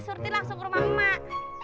surti langsung ke rumah emak emak